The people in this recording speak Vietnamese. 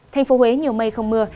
thành phố huế nhiều mây không mưa